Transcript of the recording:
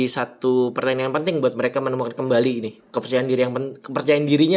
satu pertanyaan penting buat mereka menemukan kembali kepercayaan diri yang penting kepercayaan dirinya